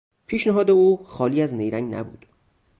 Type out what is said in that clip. پیشنهاد او خالی از نیرنگ نبود.